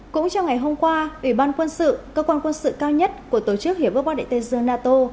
cũng trong ngày hôm qua ủy ban quân sự cơ quan quân sự cao nhất của tổ chức hiệp ước quan đại tế giêng nato